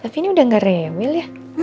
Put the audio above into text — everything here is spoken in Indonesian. tapi ini udah gak rewel ya